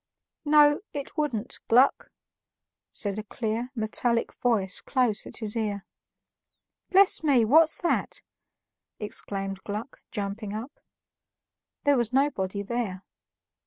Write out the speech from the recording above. "No, it wouldn't, Gluck," said a clear, metallic voice close at his ear. "Bless me, what's that?" exclaimed Gluck, jumping up. There was nobody there.